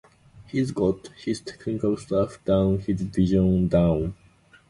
He's got his technical stuff down, his vision down.